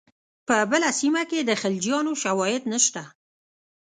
په بله سیمه کې د خلجیانو شواهد نشته.